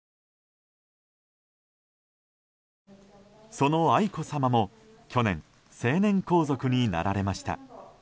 その愛子さまも去年、成年皇族になられました。